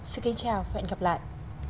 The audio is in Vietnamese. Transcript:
xin kính chào và hẹn gặp lại